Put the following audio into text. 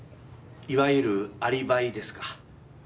いわゆるアリバイですか？